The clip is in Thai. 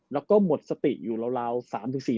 แล้วก็หมดสติอยู่ราว๓๔นาที